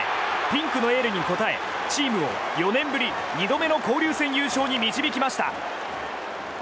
ピンクのエールに応えチームを４年ぶり２度目の交流戦優勝に導きました。